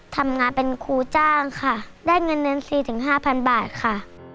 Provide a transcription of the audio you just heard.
ทำงานเป็นครูจ้างค่ะได้เงินเดือน๔๕๐๐บาทค่ะ